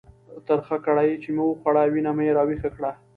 ترخه کړایي چې مې وخوړه، وینه مې را ویښه کړه.